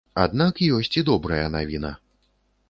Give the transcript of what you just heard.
Аднак ёсць і добрая навіна.